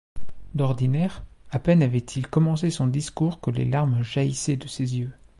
D'ordinaire, à peine avait-il commencé son discours que les larmes jaillissaient de ses yeux.